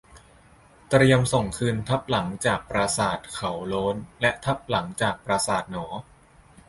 เตรียมส่งคืนทับหลังจากปราสาทเขาโล้นและทับหลังจากปราสาทหนอ